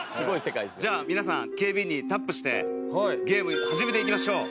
じゃあ皆さん警備員にタップしてゲーム始めていきましょう。